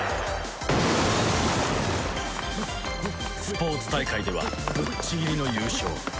スポーツ大会ではぶっちぎりの優勝。